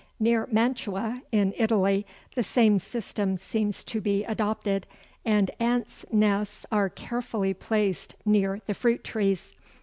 Near Mantua, in Italy, the same system seems to be adopted, and ants' nests are carefully placed near the fruit trees.